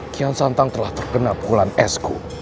kian santang telah terkena pukulan esku